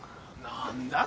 何だ